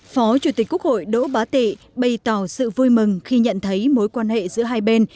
phó chủ tịch quốc hội đỗ bá tị bày tỏ sự vui mừng khi nhận thấy mối quan hệ giữa hai bên